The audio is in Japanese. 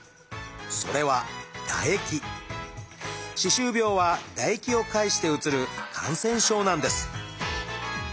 それは歯周病は唾液を介してうつる感染症なんです。